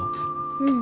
うん。